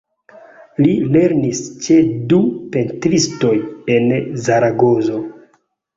Li lernis ĉe du pentristoj en Zaragozo.